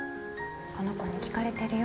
この子に聞かれてるよ。